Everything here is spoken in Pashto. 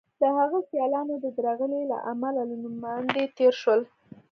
د هغه سیالانو د درغلۍ له امله له نوماندۍ تېر شول.